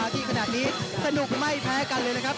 ที่ขนาดนี้สนุกไม่แพ้กันเลยนะครับ